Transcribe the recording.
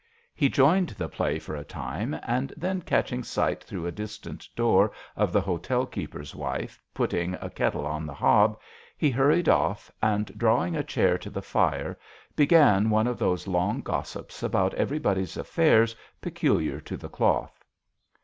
He joined the play for a time, and then catching sight through a distant door of the hotel keeper's wife putting a kettle on the hob he hurried off, and, drawing a chair to the fire, began one of those long gossips about everybody's affairs peculiar to the cloth.